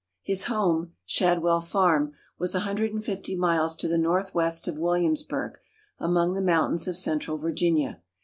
His home, Shadwell Farm, was a hundred and fifty miles to the north west of Williamsburg among the mountains of central Virginia.